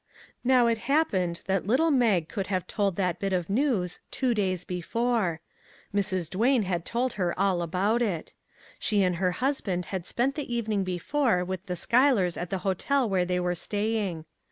Now it happened that little Mag could have told that bit of news two days before. Mrs. Duane had told her all about it. She and her husband had spent the evening before with the Schuylers at the hotel where they were staying.